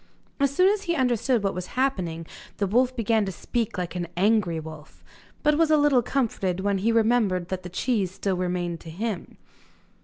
As soon as he understood what was happening, the wolf began to speak like an angry wolf, but was a little comforted when he remembered that the cheese still remained to him.